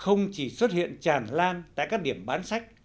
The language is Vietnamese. không chỉ xuất hiện tràn lan tại các điểm bán sách